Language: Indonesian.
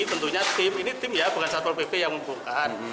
tentunya tim ini tim ya bukan satpol pp yang mengumpulkan